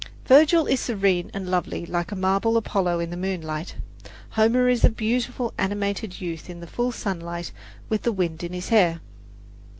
Virgil is serene and lovely like a marble Apollo in the moonlight; Homer is a beautiful, animated youth in the full sunlight with the wind in his hair.